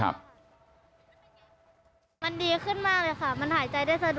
มันดีมันดีขึ้นมากเลยค่ะมันหายใจได้สะดวก